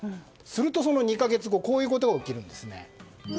すると、その２か月後こういうことが起きます。